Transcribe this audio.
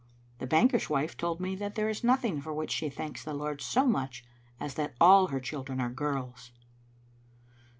The banker's wife told me that there is nothing for which she thanks the Lord so much as that all her children are girls."